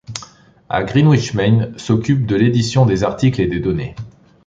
À Greenwich Main s'occupe de l'édition des articles et des données.